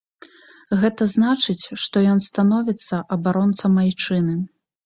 Гэта значыць, што ён становіцца абаронцам айчыны.